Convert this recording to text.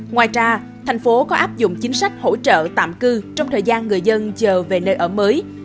ngoài ra thành phố có áp dụng chính sách hỗ trợ tạm cư trong thời gian người dân chờ về nơi ở mới